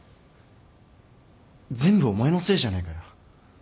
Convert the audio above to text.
全部お前のせいじゃねえかよ